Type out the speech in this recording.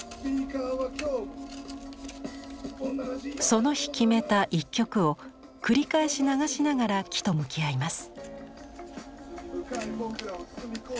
その日決めた一曲を繰り返し流しながら木と向き合います。